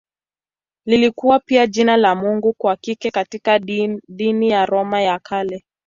Lilikuwa pia jina la mungu wa kike katika dini ya Roma ya Kale.